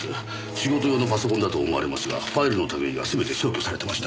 仕事用のパソコンだと思われますがファイルの類いが全て消去されてました。